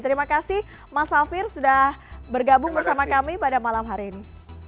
terima kasih mas safir sudah bergabung bersama kami pada malam hari ini